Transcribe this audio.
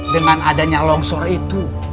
dengan adanya longsor itu